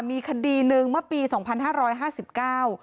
มีคดีหนึ่งเมื่อปีสองพันห้าร้อยห้าสิบเก้า